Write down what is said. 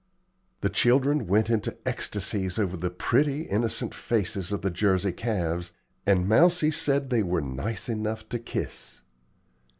The children went into ecstasies over the pretty, innocent faces of the Jersey calves, and Mousie said they were "nice enough to kiss."